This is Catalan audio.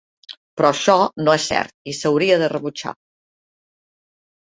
Però això no és cert i s'hauria de rebutjar.